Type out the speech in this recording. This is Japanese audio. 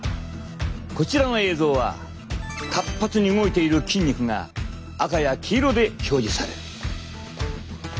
こちらの映像は活発に動いている筋肉が赤や黄色で表示される。